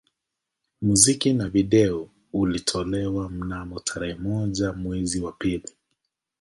Muziki wa video ulitolewa mnamo tarehe moja mwezi wa pili